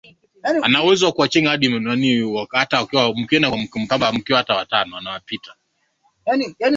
Hayaishi makosa, ni we wa kuokoa